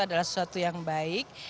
adalah sesuatu yang baik